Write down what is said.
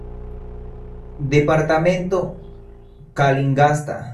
Departamento Calingasta